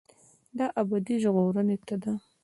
دا ابدي ژغورنې ته ده.